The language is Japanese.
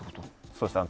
そうですね。